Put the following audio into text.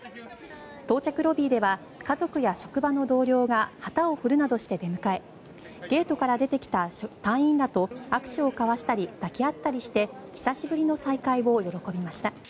到着ロビーでは家族や職場の同僚が旗を振るなどして出迎えゲートから出てきた隊員らと握手を交わしたり抱き合ったりして久しぶりの再会を喜びました。